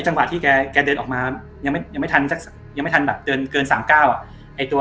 จังหวะที่เขาเดินออกมายังไม่ทันเกินสามก้าว